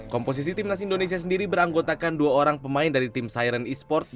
komposisi tim nasi indonesia sendiri beranggotakan dua orang pemain dari tim siren e sports